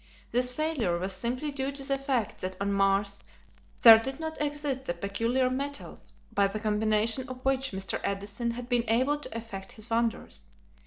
This failure was simply due to the fact that on Mars there did not exist the peculiar metals by the combination of which Mr. Edison had been able to effect his wonders.